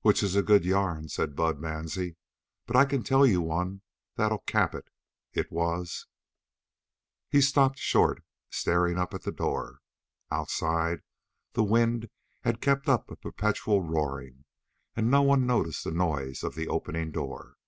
"Which is a good yarn," said Bud Mansie, "but I can tell you one that'll cap it. It was " He stopped short, staring up at the door. Outside, the wind had kept up a perpetual roaring, and no one noticed the noise of the opening door.